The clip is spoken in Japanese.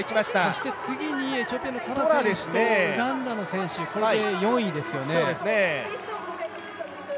そして次にエチオピアのトラ選手ウガンダの選手、これで４位ですよね。